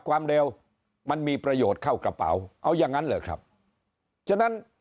ความเร็วมันมีประโยชน์เข้ากระเป๋าเอาอย่างนั้นเหรอครับฉะนั้น